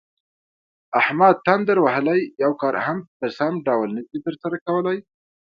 احمد تندر وهلی یو کار هم په سم ډول نشي ترسره کولی.